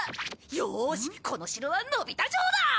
よしこの城はのび太城だ！